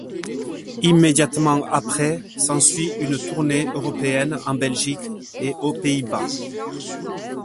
Immédiatement après, s'ensuit une tournée européenne en Belgique, et aux Pays-Bas.